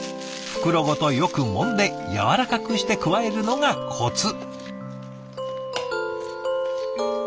袋ごとよくもんでやわらかくして加えるのがコツ。